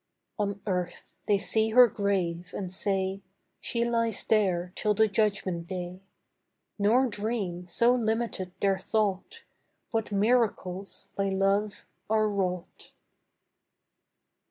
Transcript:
On earth they see her grave and say: 'She lies there till the judgment day;' Nor dream, so limited their thought, What miracles by love are wrought.